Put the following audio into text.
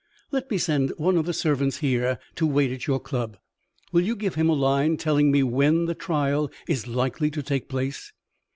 Let me send one of the servants here to wait at your club. Will you give him a line telling me when the trial is likely to take place?"